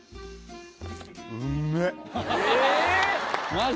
マジ？